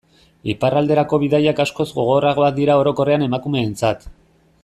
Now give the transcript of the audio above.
Iparralderako bidaiak askoz gogorragoak dira orokorrean emakumeentzat.